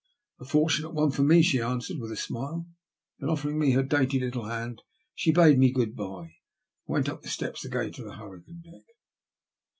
''A fortunate one for me," she answered with a smile, and then oiBTering me her dainty little hand, she bade me good bye," and went up the steps again to the hurricane deck.